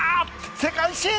世界新！